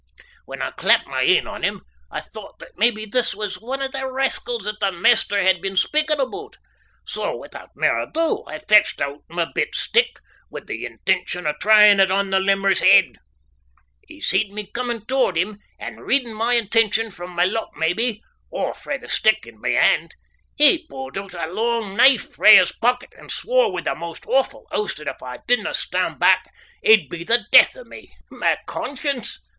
When I clapped my een on him I thocht that maybe this was ane of the rascals that the maister had been speakin' aboot, so withoot mair ado I fetched oot my bit stick with the intention o' tryin' it upon the limmer's heid. He seed me comin' towards him, and readin' my intention frae my look maybe, or frae the stick in my hand, he pu'ed oot a lang knife frae his pocket and swore wi' the most awfu' oaths that if I didna stan' back he'd be the death o' me. Ma conscience!